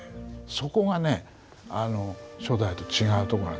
そこがね初代と違うとこなんです。